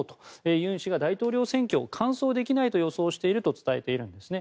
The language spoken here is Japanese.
ユン氏が大統領選挙を完走できないと予想していると伝えているんですね。